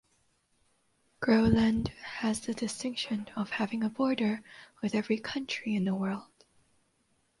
Groland has the distinction of having a border with every country in the world.